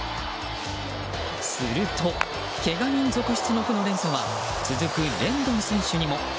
すると、けが人続出の負の連鎖は続くレンドン選手にも。